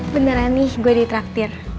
beneran nih gue ditraktir